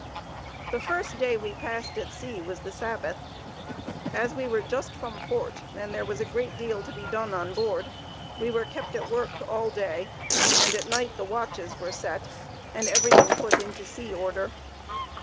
The first day we passed at sea was the Sabbath. As we were just from port, and there was a great deal to be done on board, we were kept at work all day, and at night the watches were set, and everything put into sea order.